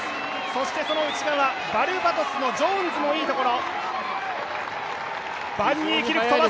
そしてその内側、バルバドスのジョーンズもいいところ。